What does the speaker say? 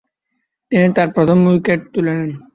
তিনি তার প্রথম উইকেট তুলে নেন।